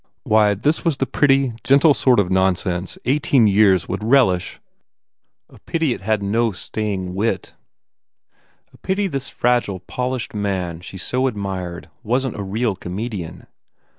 Why, this was the pretty, gentle sort of nonsense eighteen years would relish ! A pity it had no staying wit. A pity this fragile, polished man she so ad mired wasn t a real comedian.